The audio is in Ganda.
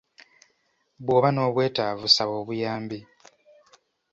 Bw'oba n'obwetaavu saba obuyambi.